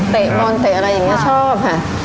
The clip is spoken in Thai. เตะบอลเตะอะไรอย่างนี้ชอบครับ